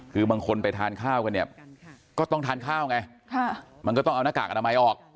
คือบางคนไปทานข้าวกันเนี่ยก็ต้องทานข้าวไงมันก็ต้องเอาหน้ากากอนามัยออก